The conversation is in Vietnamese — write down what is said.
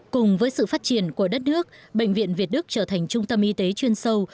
cùng với sự phát triển của đất nước bệnh viện việt đức trở thành trung tâm y tế chuyên sâu